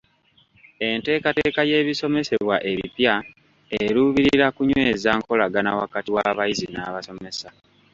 Enteekateeka y'ebisomesebwa ebipya eruubirira kunyweza nkolagana wakati w'abayizi n'abasomesa.